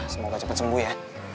semoga cepet sembuh ya